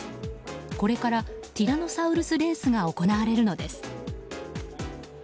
これからティラノサウルスレースが行われるのです。